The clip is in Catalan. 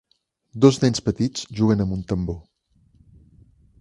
Dos nens petits juguen amb un tambor.